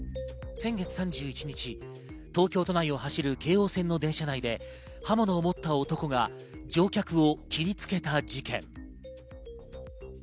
先月３１日、東京都内を走る京王線の電車内で刃物を持った男が乗客を切りつけた事件。